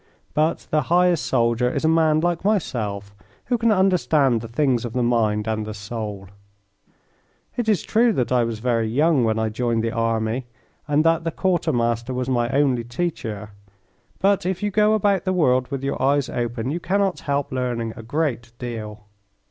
But the highest soldier is a man like myself who can understand the things of the mind and the soul. It is true that I was very young when I joined the army, and that the quarter master was my only teacher, but if you go about the world with your eyes open you cannot help learning a great deal.